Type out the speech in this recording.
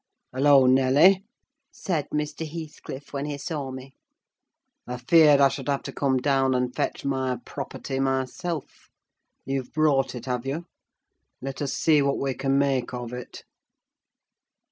"Hallo, Nelly!" said Mr. Heathcliff, when he saw me. "I feared I should have to come down and fetch my property myself. You've brought it, have you? Let us see what we can make of it."